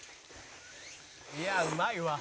「いやうまいわ」